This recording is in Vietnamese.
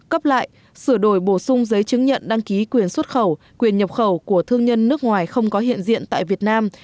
cấp lại sửa đổi bổ sung giấy chứng nhận đăng ký quyền xuất khẩu quyền nhập khẩu của thương nhân nước ngoài không có hiện diện tại việt nam